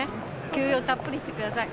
休養たっぷりしてください。